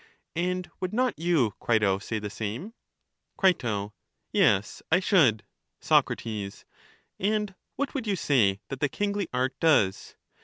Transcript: And would not you, Crito, say the same? Cri, Yes, I should. Soc, And what would you say that the kingly art does?